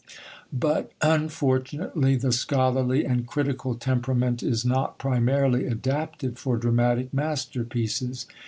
But, unfortunately, the scholarly and critical temperament is not primarily adapted for dramatic masterpieces.